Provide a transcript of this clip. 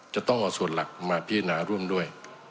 จะต้องเอาส่วนหลักมาพิจารณาร่วมด้วย